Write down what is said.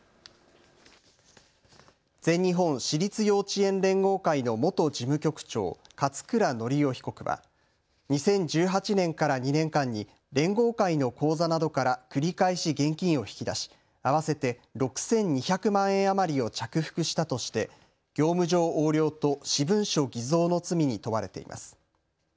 全日本私立幼稚園連合会の元事務局長、勝倉教雄被告は２０１８年から２年間に連合会の口座などから繰り返し現金を引き出し合わせて６２００万円余りを着服したとして業務上横領と私文書偽造の罪に問われています。